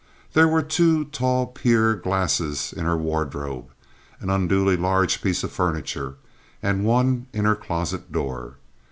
There were two tall pier glasses in her wardrobe—an unduly large piece of furniture—and one in her closet door.